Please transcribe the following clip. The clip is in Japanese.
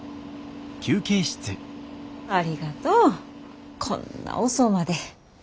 ありがとうこんな遅うまで。